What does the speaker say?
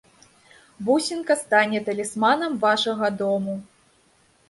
Бусінка стане талісманам вашага дому.